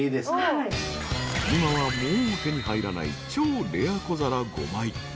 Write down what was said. ［今はもう手に入らない超レア小皿５枚］